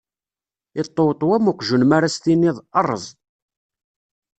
Iṭṭewṭew am uqjun mi ara s tiniḍ : ṛṛeẓ!